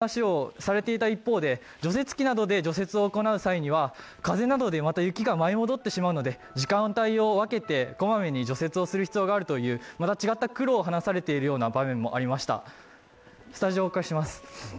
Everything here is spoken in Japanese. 雪かきをしている中で、雪が軽いので少しその点では楽だったという話をされていた一方で除雪機などで除雪を行う際には風などで雪がまた舞い戻ってしまうので、時間帯を分けて、こまめに除雪する必要があるというまた違った苦労を話されている場面がありました。